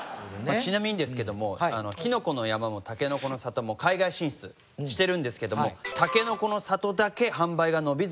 ちなみにですけどもきのこの山もたけのこの里も海外進出してるんですけどもたけのこの里だけ販売が伸びず。